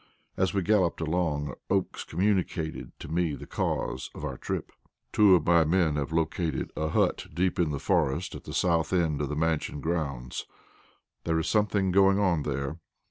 As we galloped along, Oakes communicated to me the cause of our trip. "Two of my men have located a hut deep in the forest at the south end of the Mansion grounds. There is something going on there.